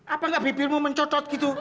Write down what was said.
apang gak bibirmu mencodot gitu